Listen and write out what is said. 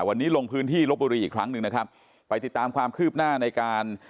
วันนี้ลงพื้นที่ลบบุรีอีกครั้งหนึ่งนะครับไปติดตามความคืบหน้าในการ